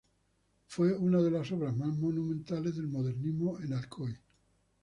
Fue una de las obras más monumentales del modernismo en Alcoy.